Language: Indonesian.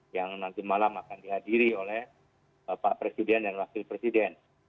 yang nanti malam akan dihadiri oleh pak presiden dan wakil presiden